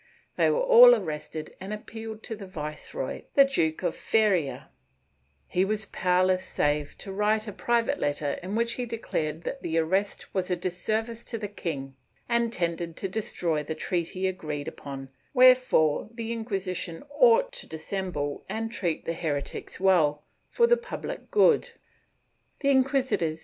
They were all arrested and appealed to the viceroy, the Duke of Feria. He was powerless save to write a private letter in which he declared that the arrest was a disservice to the king and tended to destroy the treaty agreed upon, wherefore the Inquisition ought to dis ' Hinojosa, Despachos de la Diplomacia pontificia, I, 353, 377 (Madrid. 1896).